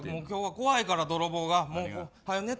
今日は怖いから泥棒がもうはよ